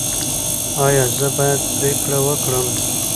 ایا زه باید پریکړه وکړم؟